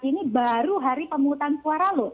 ini baru hari pemungutan suara loh